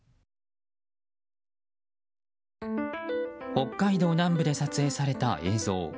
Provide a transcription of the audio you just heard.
北海道南部で撮影された映像。